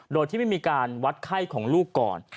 โดยที่ไม่มีการวัดไข้ของลูกก่อน